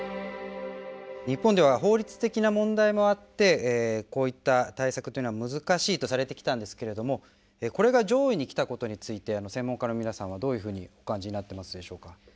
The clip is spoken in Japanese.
日本では法律的な問題もあってこういった対策は難しいとされてきたんですけれどもこれが上位に来たことについて専門家の皆さんはどういうふうにお感じになってますでしょうか。